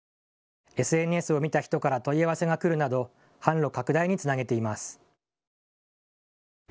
ＳＮＳを見た人から問い合わせが来るなど販路拡大につなげています。